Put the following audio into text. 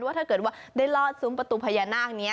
ถ้าเกิดว่าได้ลอดซุ้มประตูพญานาคนี้